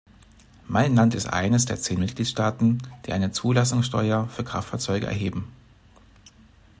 Mein Land ist eines der zehn Mitgliedstaaten, die eine Zulassungssteuer für Kraftfahrzeuge erheben.